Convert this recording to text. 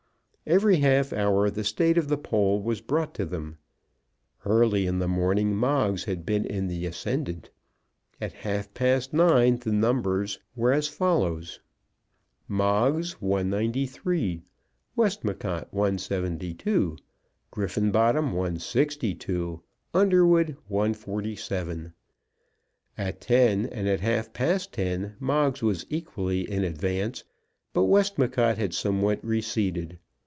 Every half hour the state of the poll was brought to them. Early in the morning Moggs had been in the ascendant. At half past nine the numbers were as follows: Moggs 193 Westmacott 172 Griffenbottom 162 Underwood 147 At ten, and at half past ten, Moggs was equally in advance, but Westmacott had somewhat receded.